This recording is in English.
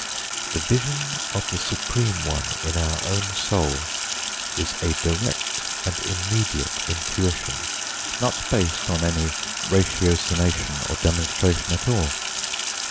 The vision of the Supreme One in our own soul is a direct and immediate intuition, not based on any ratiocination or demonstration at all.